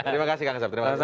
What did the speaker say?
terima kasih kak ngasep